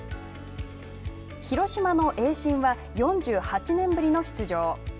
広島の盈進は４８年ぶりの出場。